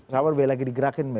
gak ada lagi